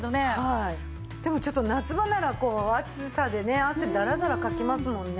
でもちょっと夏場なら暑さでね汗ダラダラかきますもんね。